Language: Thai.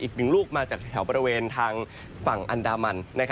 อีกหนึ่งลูกมาจากแถวบริเวณทางฝั่งอันดามัน